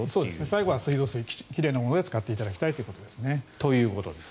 最後は水道水奇麗なものを使っていただきたいということですね。ということです。